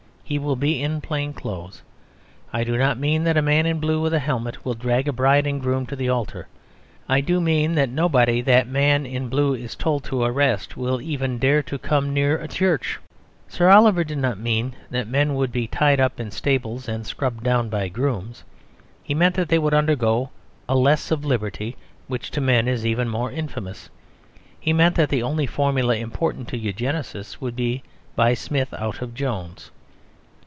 He will be in plain clothes. I do not mean that a man in blue with a helmet will drag the bride and bridegroom to the altar. I do mean that nobody that man in blue is told to arrest will even dare to come near the church. Sir Oliver did not mean that men would be tied up in stables and scrubbed down by grooms. He meant that they would undergo a less of liberty which to men is even more infamous. He meant that the only formula important to Eugenists would be "by Smith out of Jones."